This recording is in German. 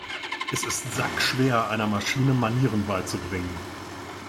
Es ist sackschwer, einer Maschine Manieren beizubringen.